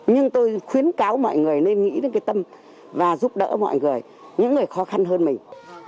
nhưng tôi khuyến cáo mọi người nên nghĩ đến cái tâm và giúp đỡ mọi người những người khó khăn hơn mình